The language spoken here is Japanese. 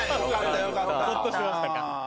ほっとしましたか。